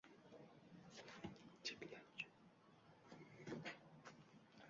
Jablanuvchi ko‘rsatilgan tibbiy muolajalarga qaramay, voqea sodir bo‘lgan kunning ertasiga vafot etgan